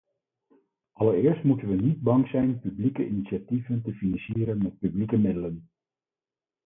Allereerst moeten we niet bang zijn publieke initiatieven te financieren met publieke middelen.